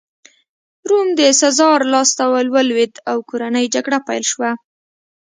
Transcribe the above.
روم د سزار لاسته ولوېد او کورنۍ جګړه پیل شوه